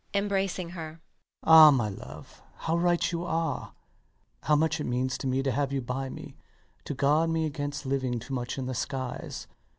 [Embracing her] Ah, my love, how right you are! how much it means to me to have you by me to guard me against living too much in the skies.